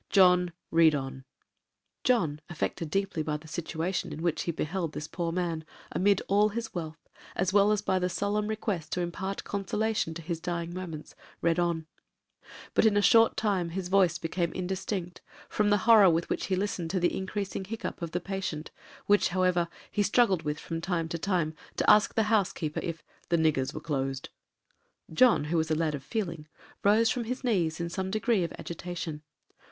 —John, read on.' John, affected deeply by the situation in which he beheld this poor man, amid all his wealth, as well as by the solemn request to impart consolation to his dying moments, read on;—but in a short time his voice became indistinct, from the horror with which he listened to the increasing hiccup of the patient, which, however, he struggled with from time to time, to ask the housekeeper if the niggers were closed. John, who was a lad of feeling, rose from his knees in some degree of agitation.